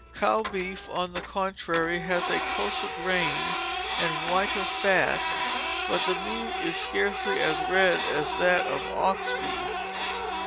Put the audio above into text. Cow beef, on the contrary, has a closer grain and whiter fat, but the meat is scarcely as red as that of ox beef.